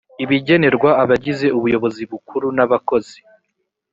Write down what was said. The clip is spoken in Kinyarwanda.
ibigenerwa abagize ubuyobozi bukuru n abakozi